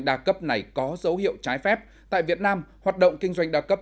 đa cấp này có dấu hiệu trái phép tại việt nam hoạt động kinh doanh đa cấp